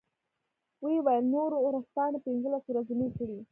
و یې ویل نورو ورځپاڼې پنځلس ورځنۍ کړې.